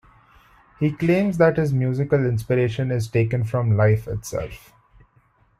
He claims that his musical inspiration is taken from life itself.